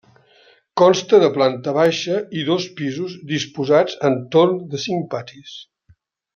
Consta de planta baixa i dos pisos disposats entorn de cinc patis.